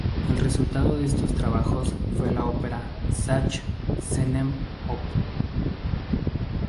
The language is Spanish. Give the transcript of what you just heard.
Resultado de estos trabajos fue la ópera "Šach-Senem op.